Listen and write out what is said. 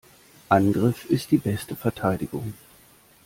Angriff ist die beste Verteidigung.